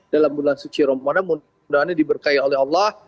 dalam bulan suci romadhan mudah mudahan diberkahi oleh allah